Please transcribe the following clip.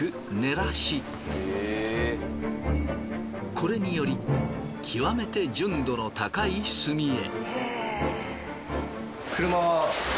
これにより極めて純度の高い炭へ。